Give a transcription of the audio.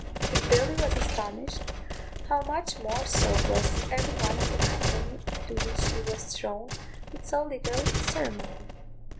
If Billy was astonished, how much more so was every one of the company into which he was thrown with so little ceremony.